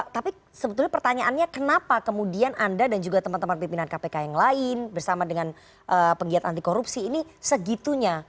tapi sebetulnya pertanyaannya kenapa kemudian anda dan juga teman teman pimpinan kpk yang lain bersama dengan penggiat anti korupsi ini segitunya